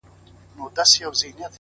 د تجربې درد حکمت زېږوي.!